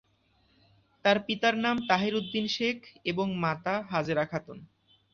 তার পিতার নাম তাহের উদ্দিন শেখ এবং মাতা হাজেরা খাতুন।